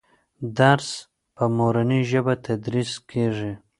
درس په مورنۍ ژبه تدریس کېږي.